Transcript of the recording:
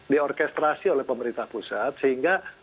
diorkestrasi oleh pemerintah pusat sehingga